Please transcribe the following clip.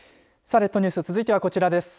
列島ニュース続いてはこちらです。